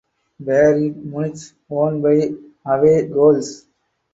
Bayern Munich won by away goals.